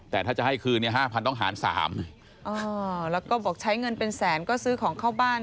แต่ถ้าจะให้คืนเนี่ยห้าพันต้องหารสามอ๋อแล้วก็บอกใช้เงินเป็นแสนก็ซื้อของเข้าบ้าน